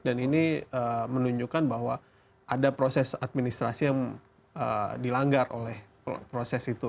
dan ini menunjukkan bahwa ada proses administrasi yang dilanggar oleh proses itu